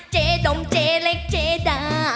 เจดมเจเล็กเจดา